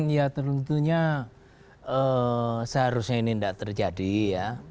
ya tentunya seharusnya ini tidak terjadi ya